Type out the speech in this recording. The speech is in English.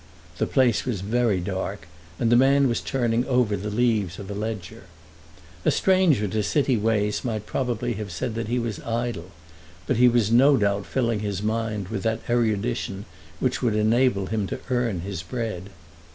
The place was very dark, and the man was turning over the leaves of a ledger. A stranger to city ways might probably have said that he was idle, but he was no doubt filling his mind with that erudition which would enable him to earn his bread.